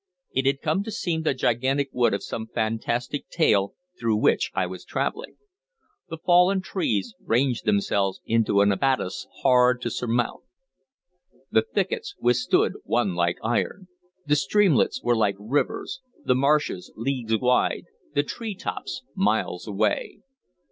It had come to seem the gigantic wood of some fantastic tale through which I was traveling. The fallen trees ranged themselves into an abatis hard to surmount; the thickets withstood one like iron; the streamlets were like rivers, the marshes leagues wide, the treetops miles away.